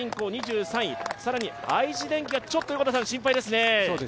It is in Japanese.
更に愛知電機がちょっと心配ですね。